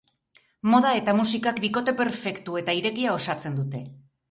Moda eta musikak bikote perfektu eta irekia osatzen dute.